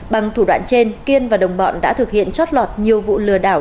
bằng thủ đoạn trên kiên và đồng bọn đã thực hiện chót lọt nhiều vụ lừa đảo